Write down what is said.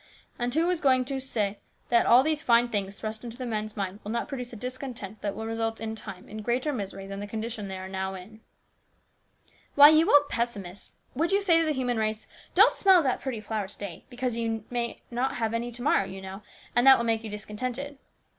And who is going to say that all these fine things thrust into the men's minds will not produce a discontent that will result in time in greater misery than the condition they are now in ?"" Why, you old pessimist ! would you say to the human race, ' Don't smell that pretty flower to day, because you know you may not have any to morrow, and that will make you discontented